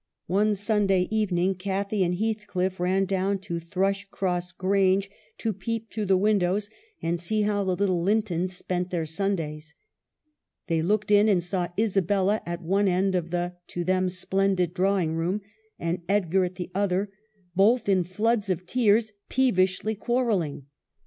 One Sunday evening Cathy and Heathcliff ran down to Thrushcross Grange to peep through the windows and see how the little Lintons spent their Sundays. They looked in, and saw Isabella at one end of the, to them, splendid drawing room, and Edgar at the other, both in floods of tears, peevishly quarrelling.